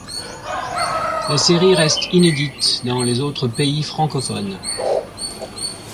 La série reste inédite dans les autres pays francophones.